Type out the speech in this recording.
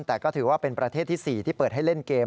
แต่ก็ถือว่าเป็นประเทศที่๔ที่เปิดให้เล่นเกม